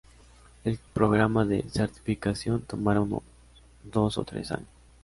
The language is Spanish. El programa de certificación tomará unos dos o tres años.